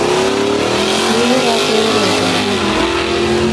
Mokerei akwek koroito nekinam?